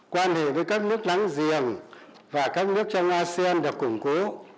quan hệ với các nước láng giềng và các nước trong asean được củng cố